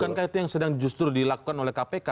bukankah itu yang sedang justru dilakukan oleh kpk